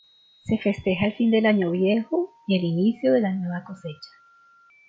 Se festeja el fin del año viejo y el inicio de la nueva cosecha.